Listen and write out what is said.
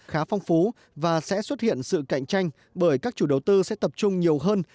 khá phong phú và sẽ xuất hiện sự cạnh tranh bởi các chủ đầu tư sẽ tập trung nhiều hơn